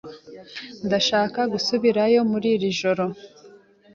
Ndashaka gusubirayo muri iri joro.